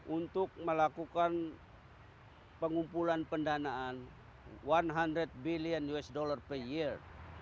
untuk melakukan pengumpulan pendanaan seratus billion usd per year